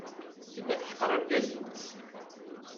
Tella teḥqer argaz-nnes.